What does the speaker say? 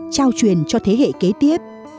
trao truyền cho thế hệ kế tiếp